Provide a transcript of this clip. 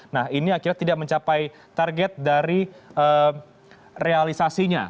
nah ini akhirnya tidak mencapai target dari realisasinya